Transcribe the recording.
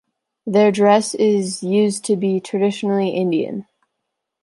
Their dress used to be traditionally Indian.